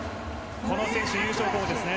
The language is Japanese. この選手、優勝候補ですね。